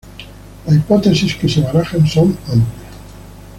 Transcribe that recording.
Las hipótesis que se barajan son amplias.